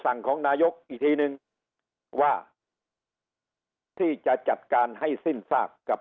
ของนายกอีกทีนึงว่าที่จะจัดการให้สิ้นซากกับ